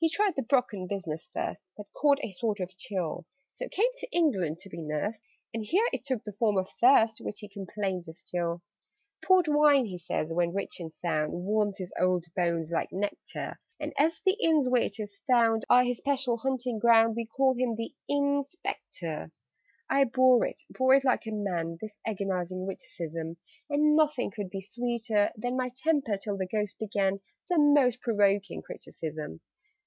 "He tried the Brocken business first, But caught a sort of chill; So came to England to be nursed, And here it took the form of thirst, Which he complains of still. [Illustration: "AND HERE IT TOOK THE FORM OF THIRST"] "Port wine, he says, when rich and sound, Warms his old bones like nectar: And as the inns, where it is found, Are his especial hunting ground, We call him the Inn Spectre." I bore it bore it like a man This agonizing witticism! And nothing could be sweeter than My temper, till the Ghost began Some most provoking criticism.